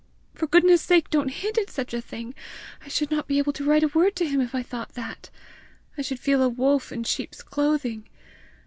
For goodness' sake don't hint at such a thing! I should not be able to write a word to him, if I thought that! I should feel a wolf in sheep's clothing!